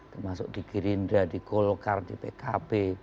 termasuk di gerindra di golkar di pkb